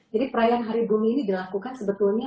jadi perayaan hari bumi ini dilakukan sebetulnya